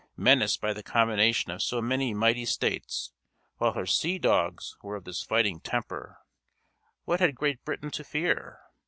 Menaced by the combination of so many mighty states, while her sea dogs were of this fighting temper, what had Great Britain to fear?